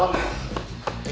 ini ngapain kesini